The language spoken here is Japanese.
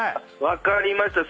分かりました。